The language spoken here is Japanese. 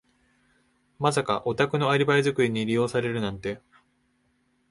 まさかお宅のアリバイ作りに利用されるなんて。